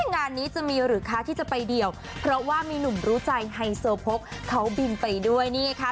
งานนี้จะมีหรือคะที่จะไปเดี่ยวเพราะว่ามีหนุ่มรู้ใจไฮโซโพกเขาบินไปด้วยนี่ค่ะ